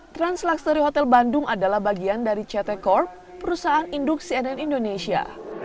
transluxury hotel bandung adalah bagian dari ct corp perusahaan induk cnn indonesia